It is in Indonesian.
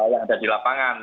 yang ada di lapangan